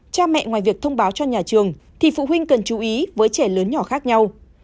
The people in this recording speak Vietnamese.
cha mẹ ngoài việc thông báo cho nhà trường thì phụ huynh cần chú ý với trẻ lớn nhỏ khác nhau